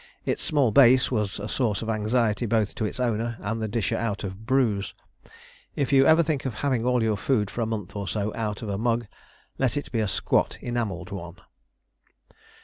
Its small base was a source of anxiety both to its owner and the disher out of brews. If you ever think of having all your food for a month or so out of a mug, let it be a squat enamelled one.